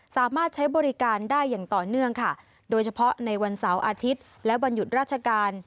สามารถใช้บริการได้อย่างต่อเนื่องค่ะโดยเฉพาะในวันเสาร์อาทิตย์และวันหยุดราชการ